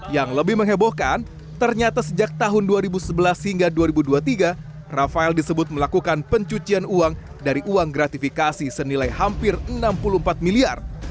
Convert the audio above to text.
yang lebih mengebohkan ternyata sejak tahun dua ribu sebelas hingga dua ribu dua puluh tiga rafael disebut melakukan pencucian uang dari uang gratifikasi senilai satu lima juta rupiah